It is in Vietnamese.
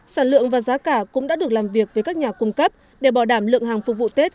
sản lượng và giá cả cũng đã được làm việc với các nhà cung cấp để bảo đảm lượng hàng phục vụ tết